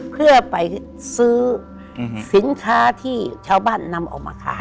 เพื่อไปซื้อสินค้าที่ชาวบ้านนำออกมาขาย